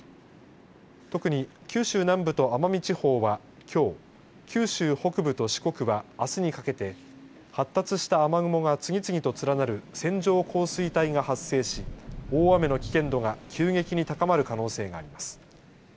特に九州南部と奄美地方はきょう、九州北部と四国はあすにかけて発達した雨雲が次々と連なる線状降水帯が発生し大雨の危険度が急激に高まる可能性があります。